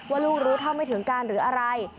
ว่าลูกรู้เท่าไม่ถึงการหรืออะไร